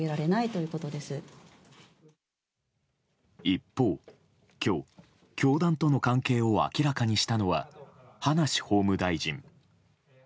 一方、今日教団との関係を明らかにしたのは葉梨法務大臣。